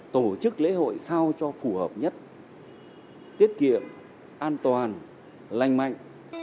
tổ chức lễ hội sao cho phù hợp nhất tiết kiệm an toàn lành mạnh